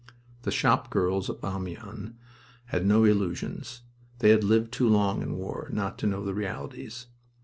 The shopgirls of Amiens had no illusions. They had lived too long in war not to know the realities.